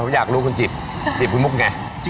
ผมอยากรู้คุณจิบจีบคุณมุกไง